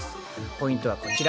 ポイントはこちら。